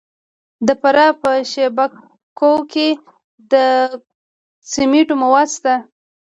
د فراه په شیب کوه کې د سمنټو مواد شته.